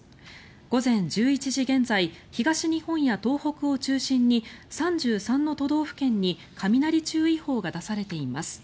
午前１１時現在東日本や東北を中心に３３の都道府県に雷注意報が出されています。